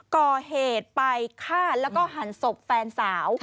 ก่อเหตุไปฆ่าแล้วก็หันศพแฟนสาว